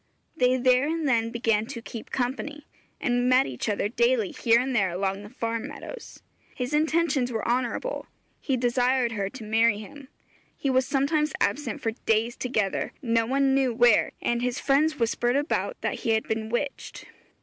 They there and then began to 'keep company,' and met each other daily here and there along the farm meadows. His intentions were honourable; he desired her to marry him. He was sometimes absent for days together, no one knew where, and his friends whispered about that he had been witched.